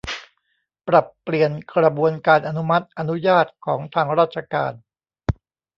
ปรับเปลี่ยนกระบวนการอนุมัติ อนุญาตของทางราชการ